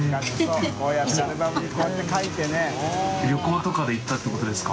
旅行とかで行ったってことですか？